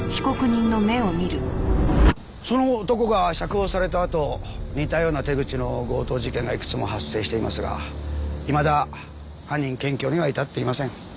その男が釈放されたあと似たような手口の強盗事件がいくつも発生していますがいまだ犯人検挙には至っていません。